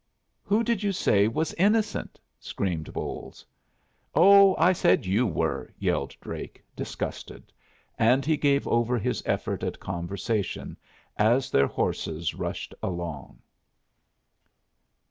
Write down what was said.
"Who did you say was innocent?" screamed Bolles. "Oh, I said you were," yelled Drake, disgusted; and he gave over this effort at conversation as their horses rushed along.